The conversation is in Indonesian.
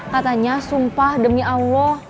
katanya sumpah demi allah